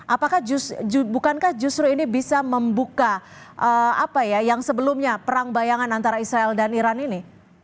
apakah bukankah justru ini bisa membuka apa ya yang sebelumnya perang bayangan antara israel dan iran ini